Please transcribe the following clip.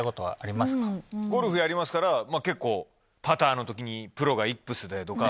ゴルフやりますから結構パターの時にプロがイップスでとか。